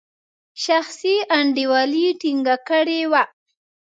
شخصي انډیوالي ټینګه کړې وه.